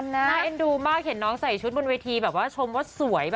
น่าเอ็นดูมากเห็นน้องใส่ชุดบนเวทีแบบว่าชมว่าสวย